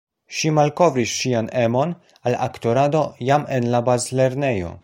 Ŝi malkovris ŝian emon al aktorado jam en la bazlernejo.